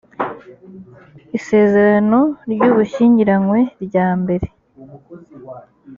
isezerano ry ubushyingiranywe rya mbere